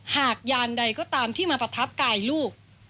หากยานใดก็ตามที่มาประทับกายลูก